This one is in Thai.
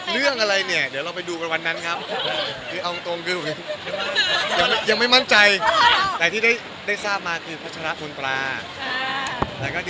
เรื่องอะไรยังไม่มั่นใจแต่ที่ได้ทราบมาคือพชรประหลาด